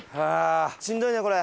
しんどいねこれ。